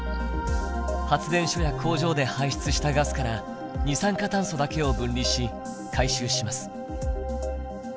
発電所や工場で排出したガスから二酸化炭素だけを分離し回収します。